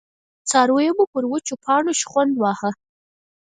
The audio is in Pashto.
څارويو به پر وچو پاڼو شخوند واهه.